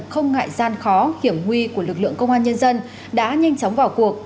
không ngại gian khó hiểm huy của lực lượng công an nhân dân đã nhanh chóng vào cuộc